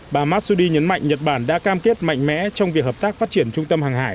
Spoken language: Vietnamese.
bà masudi nhấn mạnh nhật bản đã cam kết mạnh mẽ trong việc hợp tác phát triển trung tâm hàng hải